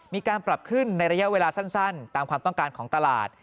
มีการปรับขึ้นในระยะเวลาสั้นตามความต้องการของตลาด